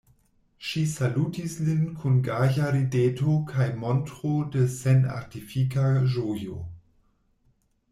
Ŝi salutis lin kun gaja rideto kaj montro de senartifika ĝojo.